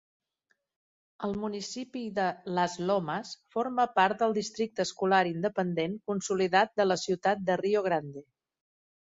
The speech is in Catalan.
El municipi de Las Lomas forma part del districte escolar independent consolidat de la ciutat de Rio Grande.